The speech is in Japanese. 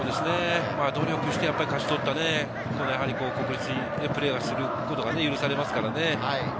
努力して勝ち取った、国立でプレーできるのが許されますからね。